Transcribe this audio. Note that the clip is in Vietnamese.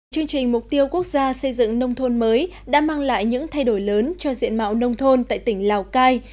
chương trình mục tiêu quốc gia xây dựng nông thôn mới đã mang lại những thay đổi lớn cho diện mạo nông thôn tại tỉnh lào cai